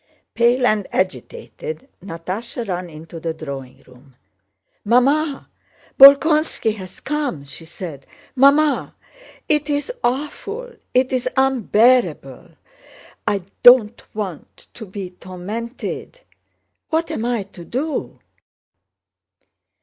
Pale and agitated, Natásha ran into the drawing room. "Mamma! Bolkónski has come!" she said. "Mamma, it is awful, it is unbearable! I don't want... to be tormented? What am I to do?..."